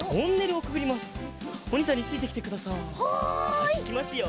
よしいきますよ。